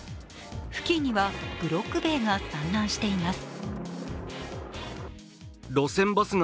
付近にはブロック塀が散乱しています。